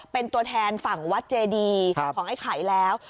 เป็นตัวแทนฝั่งวัดเจดีของไอ้ไข่แล้ว